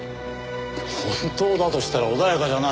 本当だとしたら穏やかじゃないね。